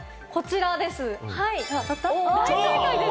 大正解です。